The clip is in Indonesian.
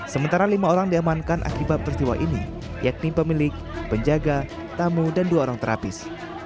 sementara lima orang diamankan akibat peristiwa ini yakni pemilik penjaga tamu dan dua orang terapis